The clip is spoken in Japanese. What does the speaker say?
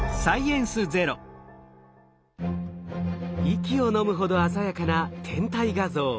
息をのむほど鮮やかな天体画像。